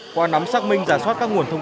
qua nắm xác minh giả soát các nguồn thương